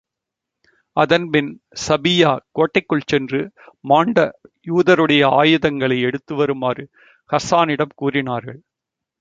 அதன்பின், ஸபிய்யா கோட்டைக்குள் சென்று மாண்ட யூதருடைய ஆயுதங்களை எடுத்து வருமாறு ஹஸ்ஸானிடம் கூறினார்கள்.